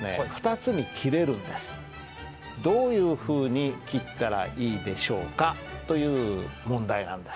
どういうふうに切ったらいいでしょうか？という問題なんです。